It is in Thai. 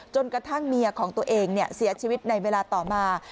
จนกระทั่งเมียของตัวเองเสียชีวิตในเวลาต่อมา